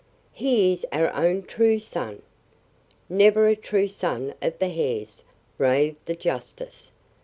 He is our own true son." "Never a true son of the Hares," raved the justice.